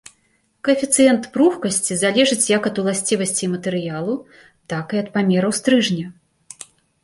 Каэфіцыент пругкасці залежыць як ад уласцівасцей матэрыялу, так і ад памераў стрыжня.